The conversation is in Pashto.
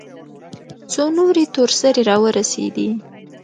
څو نورې تور سرې راورسېدې.